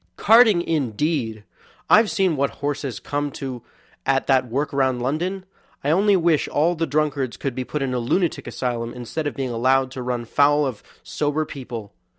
Carting, indeed! I've seen what horses come to at that work round London. I only wish all the drunkards could be put in a lunatic asylum instead of being allowed to run foul of sober people.